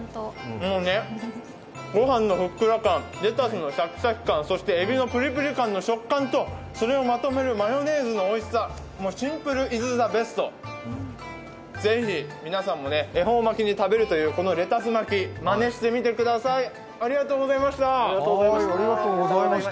もうね、ご飯のふっくら感レストのシャキシャキ感、そして、えびのプリプリ感の食感とそれをまとめるマヨネーズのおいしさ、もうシンプル・イズ・ザ・ベストぜひ、皆さんも恵方巻に食べるというレタス巻き、まねしてみてくださいありがとうございました！